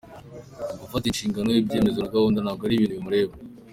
Gufata inshingano, ibyemezo na gahunda ntabwo ari ibintu bimureba.